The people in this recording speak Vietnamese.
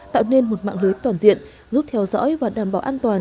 tạo nên một mạng lưới toàn diện giúp theo dõi và đảm bảo an toàn